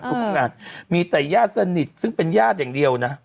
ทุกงานมีแต่ญาติสนิทซึ่งเป็นญาติอย่างเดียวนะ